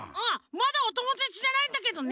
まだおともだちじゃないんだけどね。